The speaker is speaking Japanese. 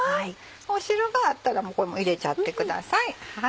汁があったらこれも入れちゃってください。